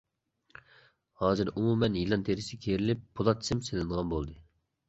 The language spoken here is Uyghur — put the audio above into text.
ھازىر ئومۇمەن يىلان تېرىسى كېرىلىپ، پولات سىم سېلىنىدىغان بولدى.